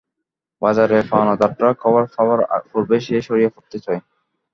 বাজারের পাওনাদাররা খবর পাইবার পূর্বেই সে সরিয়া পড়তে চায়।